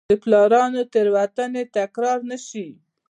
د پلانرانو تېروتنې تکرار نه شي.